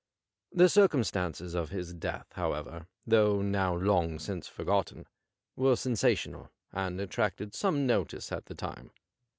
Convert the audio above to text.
The circumstances of his death, however, though now long since forgotten, were sensational, and attracted some notice at the time.